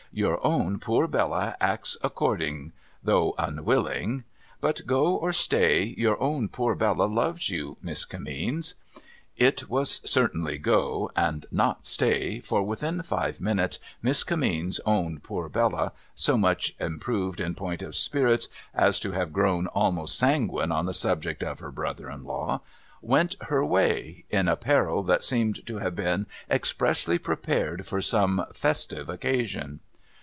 Your own poor Bella acts according, though unwilling. But go or stay, your own poor Bella loves you. Miss Kinimeens.' It was certainly go, and not stay, for within five minutes Miss Kininieens's own poor Bella — so much improved in point of spirits as to have grown almost sanguine on the subject of her brother in law — went her way, in apparel that seemed to have been expressly prepared for some festive occasion.